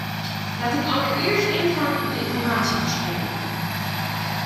Laat ik allereerst ingaan op de informatieverstrekking.